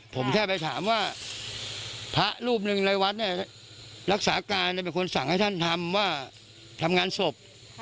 ผมแค่ไปถามว่าพระรูปหนึ่งในวัดเนี่ยรักษาการเป็นคนสั่งให้ท่านทำว่าทำงานศพ